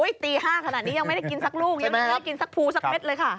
ตี๕ขนาดนี้ยังไม่ได้กินสักลูกยังไม่ได้กินสักภูสักเม็ดเลยค่ะ